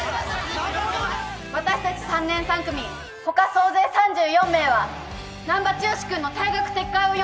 私たち３年３組他総勢３４名は難破剛君の退学撤回を要求する。